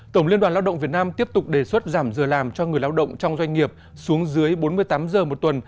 tổng liên đoàn lao động việt nam tiếp tục đề xuất giảm giờ làm cho người lao động trong doanh nghiệp xuống dưới bốn mươi tám giờ một tuần